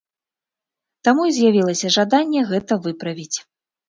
Таму і з'явілася жаданне гэта выправіць.